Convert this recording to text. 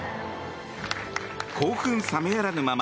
興奮冷めやらぬまま